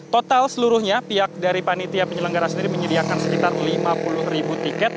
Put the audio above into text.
total seluruhnya pihak dari panitia penyelenggara sendiri menyediakan sekitar lima puluh ribu tiket